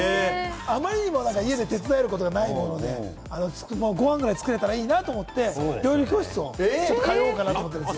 あまりにも家で手伝えることがないもので、ご飯くらい作れたらいいなと思って、料理教室に通おうかなと思ってるんです。